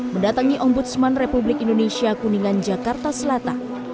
mendatangi ombudsman republik indonesia kuningan jakarta selatan